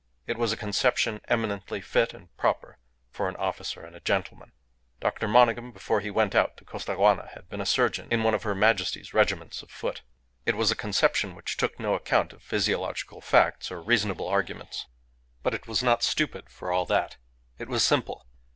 It was a conception eminently fit and proper for an officer and a gentleman. Dr. Monygham, before he went out to Costaguana, had been surgeon in one of Her Majesty's regiments of foot. It was a conception which took no account of physiological facts or reasonable arguments; but it was not stupid for all that. It was simple.